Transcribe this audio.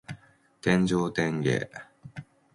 天上天下